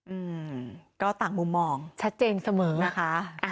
อืมก็ต่างมุมมองชัดเจนเสมอนะคะ